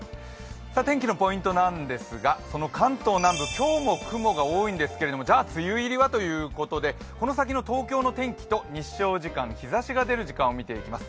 天気のポイントなんですが、その関東南部、今日も雲が多いんですけれども、じゃ、梅雨入りはということでこの先の東京の天気と日照時間、日ざしが出る時間を見ていきます。